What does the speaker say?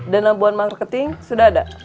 dana buat marketing sudah ada